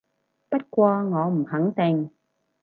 不過我唔肯定